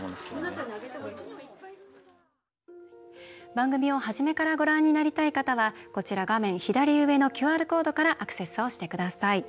番組を初めからご覧になりたい方は画面左上のＱＲコードからアクセスをしてください。